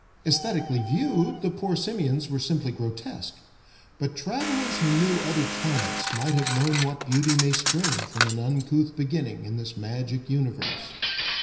Aesthetically viewed, the poor simians were simply grotesque; but travelers who knew other planets might have known what beauty may spring from an uncouth beginning in this magic universe.